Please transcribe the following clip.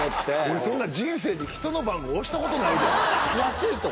俺そんな人生で人の番号押した事ないで。